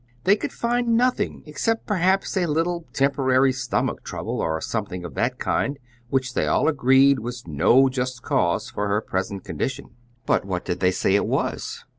"They could find nothing except perhaps a little temporary stomach trouble, or something of that kind, which they all agreed was no just cause for her present condition." "But what did they say it was?"